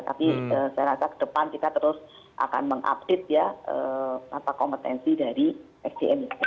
tapi saya rasa ke depan kita terus akan mengupdate ya kompetensi dari sdm